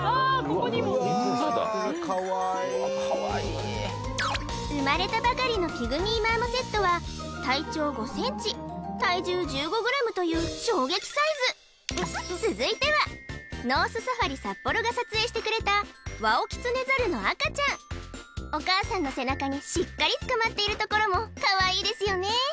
ここにも生まれたばかりのピグミーマーモセットは体長５ｃｍ体重１５ｇという衝撃サイズ続いてはノースサファリサッポロが撮影してくれたワオキツネザルの赤ちゃんお母さんの背中にしっかりつかまっているところもかわいいですよね